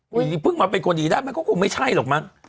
อย่างนี้เพิ่งมาเป็นคนดีได้มันก็คงไม่ใช่หรอกมั้ง